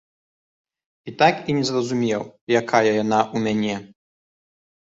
І так і не зразумеў, якая яна ў мяне.